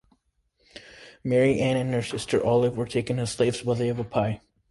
Mary Ann and her sister Olive were taken as slaves by the Yavapai.